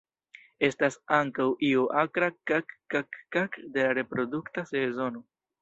Estas ankaŭ iu akra "kak-kak-kak" de la reprodukta sezono.